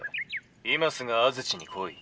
今すぐ安土に来い」。